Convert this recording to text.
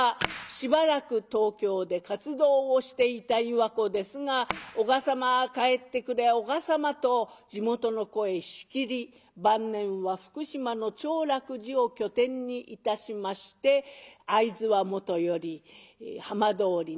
しばらく東京で活動をしていた岩子ですが「おが様帰ってくれおが様」と地元の声しきり晩年は福島の長楽寺を拠点にいたしまして会津はもとより浜通り